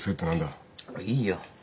いいよ。